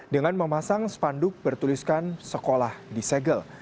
dengan memasang spanduk bertuliskan sekolah di segel